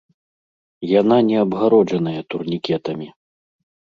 Яна не абгароджаная турнікетамі.